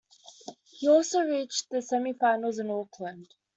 He also reached the semifinals in Auckland.